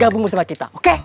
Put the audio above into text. gabung bersama kita oke